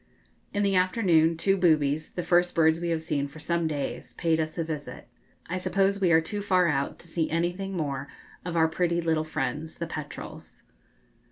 In the afternoon two boobies, the first birds we have seen for some days, paid us a visit. I suppose we are too far out to see anything more of our pretty little friends, the petrels.